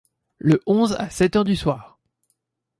Le onze, à sept heures du soir.